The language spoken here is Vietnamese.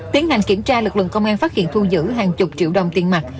tiến hành kiểm tra lực lượng công an phát hiện thu giữ hàng chục triệu đồng tiền mặt